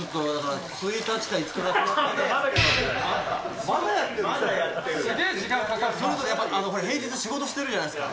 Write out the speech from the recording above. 藤ヶ谷：それぞれ、ほら平日仕事してるじゃないですか。